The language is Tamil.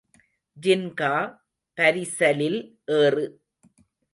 ஜின்கா, பரிசலில் ஏறு.